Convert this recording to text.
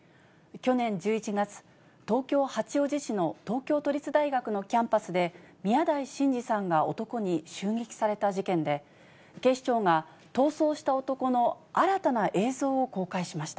去年１１月、東京・八王子市の東京都立大学のキャンパスで、宮台真司さんが男に襲撃された事件で、警視庁が、逃走した男の新たな映像を公開しました。